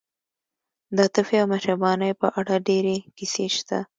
د عاطفې او مهربانۍ په اړه ډېرې کیسې شته.